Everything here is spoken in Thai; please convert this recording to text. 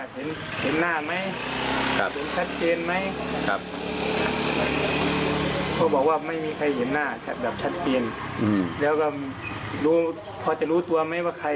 ไปมิน่ะแบบชัดเจนแล้วก็พอจะรู้เต๋วไหมว่าใคร